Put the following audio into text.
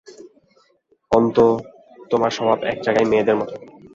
অন্তু, তোমার স্বভাব এক জায়গায় মেয়েদের মতো।